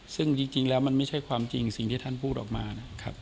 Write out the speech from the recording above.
ซึ่งจริงแล้วมันไม่ใช่ความจริงสิ่งที่ท่านพูดออกมานะครับ